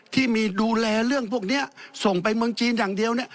ที่มีดูแลเรื่องพวกนี้ส่งไปเมืองจีนอย่างเดียว